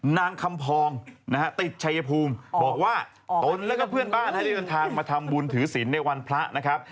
นางคำพองนะฮะติดชัยภูมิบอกว่าตนแล้วก็เพื่อนบ้านให้ได้เดินทางมาทำบุญถือศิลป์ในวันพระนะครับ